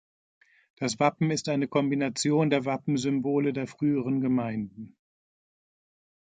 Das Wappen ist eine Kombination der Wappensymbole der früheren Gemeinden.